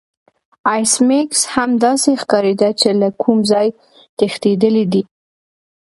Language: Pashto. ایس میکس هم داسې ښکاریده چې له کوم ځای تښتیدلی دی